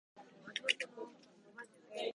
ゆっくりしていってねー